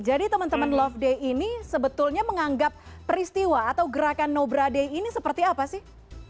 jadi teman teman love day ini sebetulnya menganggap peristiwa atau gerakan nobra day ini seperti apa sih